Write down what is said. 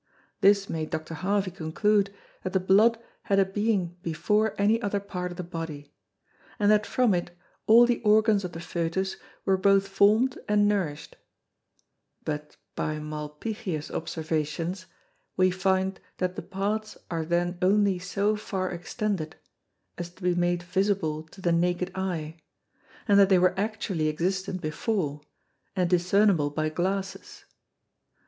This made Dr. Harvey conclude, that the Blood had a being before any other Part of the Body; and that from it, all the Organs of the Fœtus were both form'd and nourished: But by Malpighius's Observations we find that the Parts are then only so far extended, as to be made visible to the naked Eye, and that they were actually existent before, and discernable by Glasses.